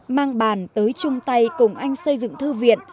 mang bàn tới chung tay cùng anh xây dựng thư viện